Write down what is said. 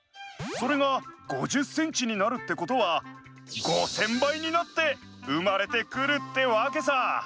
それが５０センチになるってことは５，０００ばいになってうまれてくるってわけさ。